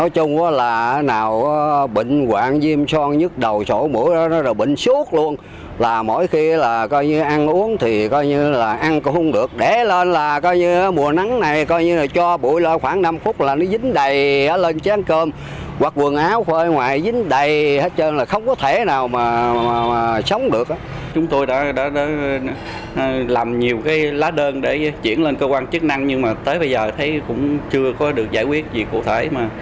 chúng tôi đã làm nhiều lá đơn để chuyển lên cơ quan chức năng nhưng mà tới bây giờ thấy cũng chưa có được giải quyết gì cụ thể